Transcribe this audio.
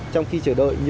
trong khi chờ đợi